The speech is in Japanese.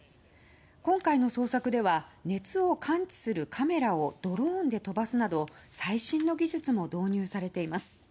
今回の捜索では熱を感知するカメラをドローンで飛ばすなど最新の技術も導入されています。